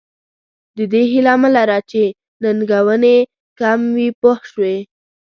د دې هیله مه لره چې ننګونې کم وي پوه شوې!.